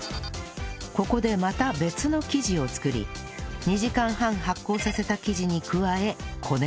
ここでまた別の生地を作り２時間半発酵させた生地に加えこねます